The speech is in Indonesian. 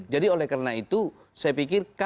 jadi oleh karena itu saya pikir